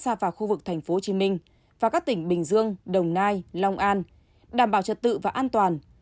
xa vào khu vực tp hcm và các tỉnh bình dương đồng nai long an đảm bảo trật tự và an toàn